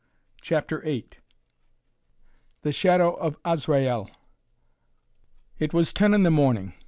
CHAPTER VIII THE SHADOW OF ASRAEL It was ten in the morning.